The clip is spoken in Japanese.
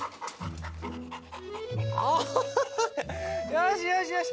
よしよしよし。